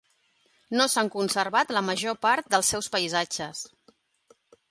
No s'han conservat la major part dels seus paisatges.